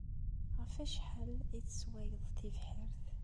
Ɣef wacḥal ay tesswayeḍ tibḥirt?